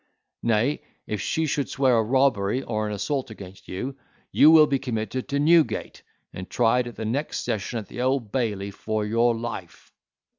Nay, if she should swear a robbery or an assault against you, you will be committed to Newgate and tried at the next session at the Old Bailey for your life."